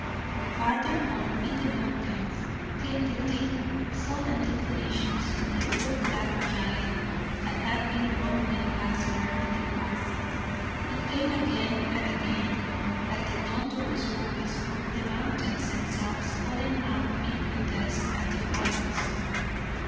From farther on in the mountains came the deep, sullen detonations of the "little black giant" that had been rumbling past her in the car. It came again and again, like the thunderous voice of the mountains themselves calling out in protest and defiance.